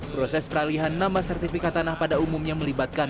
proses peralihan nama sertifikat tanah pada umumnya melibatkan